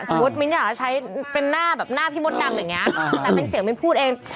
มิ้นอยากจะใช้เป็นหน้าแบบหน้าพี่มดดำอย่างนี้แต่เป็นเสียงมิ้นพูดเอง